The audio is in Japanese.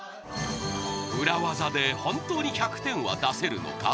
裏ワザで本当に１００点は出せるのか？